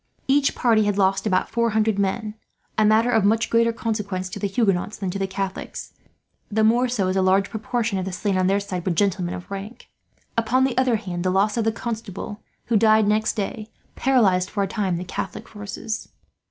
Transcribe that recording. Each party had lost about four hundred men, a matter of much greater consequence to the Huguenots than to the Catholics, the more so as a large proportion of the slain on their side were gentlemen of rank. Upon the other hand the loss of the Constable, who died next day, paralysed for a time the Catholic forces.